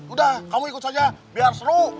udah kamu ikut saja biar seru